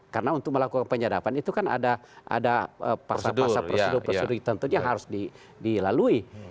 karena untuk melakukan penyadapan itu kan ada prosedur prosedur tentunya harus dilalui